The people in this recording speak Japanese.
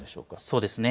そうですね。